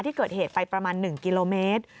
ที่เกิดเหตุไปประมาณ๑กิโลเมตร